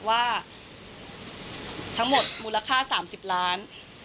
ว่าทั้งหมดมูลค่า๓๐ล้าน